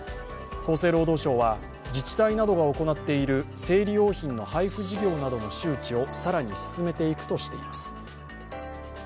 厚生労働省は自治体などが行っている生理用品の配布事業などの周知を更に進めていくとしています。